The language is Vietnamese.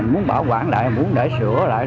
muốn bảo quản lại muốn để sửa lại